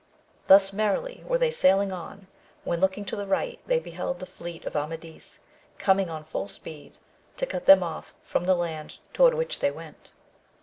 Thus merrily were they sailing on, when looking to the right they beheld the fleet of Amadis, coming on full speed, to cut them off from the land toward which they went.